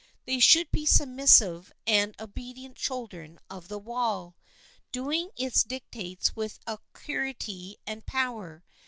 They should be submissive and obedient children of the will, doing its dictates with alacrity and power.